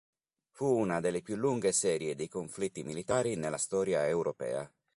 Fu una delle più lunghe serie di conflitti militari nella storia europea.